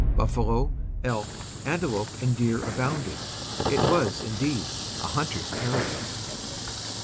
Buffalo, elk, antelope and deer abounded; it was, indeed, a hunter's paradise.